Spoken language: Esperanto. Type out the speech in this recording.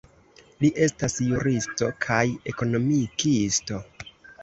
Li estas juristo kaj ekonomikisto.